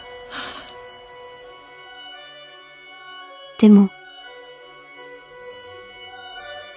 「でも」。